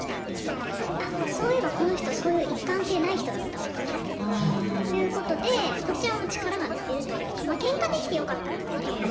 あっそういえばこの人そういう一貫性ない人だったわとということでこちらも力が抜けるというかまあケンカできてよかったなっていう。